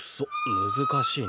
むずかしいな。